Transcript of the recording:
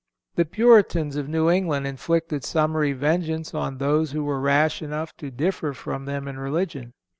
The Puritans of New England inflicted summary vengeance on those who were rash enough to differ from them in religion.